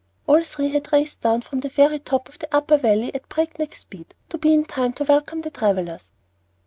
All three had raced down from the very top of the Upper Valley at breakneck speed, to be in time to welcome the travellers.